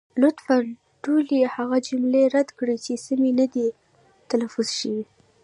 لطفا ټولې هغه جملې رد کړئ، چې سمې نه دي تلفظ شوې.